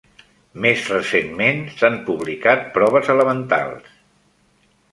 Més recentment, s'han publicat proves elementals.